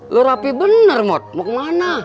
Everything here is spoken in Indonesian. lo rapi bener mot mau kemana